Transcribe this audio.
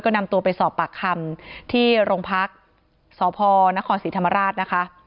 นำตัวไปสอบปากคำที่โรงพักษ์สพนครศรีธรรมราชนะคะ